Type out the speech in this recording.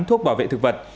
thuốc bảo vệ thực vật